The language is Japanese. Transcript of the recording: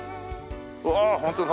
うわ本当だ。